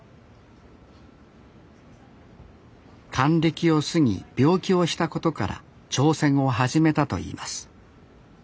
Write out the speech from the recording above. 還暦を過ぎ病気をしたことから挑戦を始めたといいます